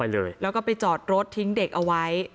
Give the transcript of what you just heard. แล้วก็ไปจอดรถทิ้งเด็กเอาไว้